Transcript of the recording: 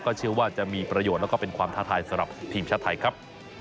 เชื่อว่าจะมีประโยชน์แล้วก็เป็นความท้าทายสำหรับทีมชาติไทยครับ